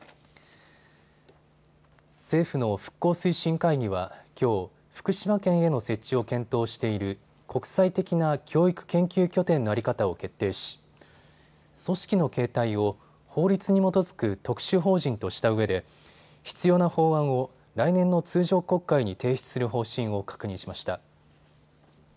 政府の復興推進会議はきょう、福島県への設置を検討している国際的な教育研究拠点の在り方を決定し組織の形態を法律に基づく特殊法人としたうえで必要な法案を来年の通常国会に提出する方針を確認しました。